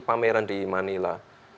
pameran di manila